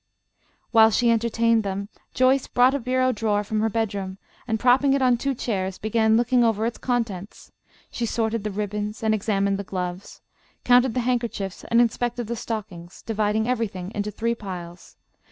While she entertained them Joyce brought a bureau drawer from her bedroom, and, propping it on two chairs, began looking over its contents. She sorted the ribbons and examined the gloves, counted the handkerchiefs and inspected the stockings, dividing everything into three piles.